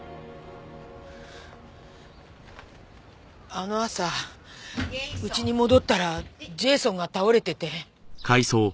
あの朝うちに戻ったらジェイソンが倒れてて。